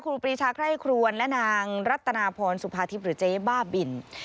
ครูปีชาไคร่ครวนและนางรัตนาพรสุภาทิพย์หรือเจ๊บ้าบิน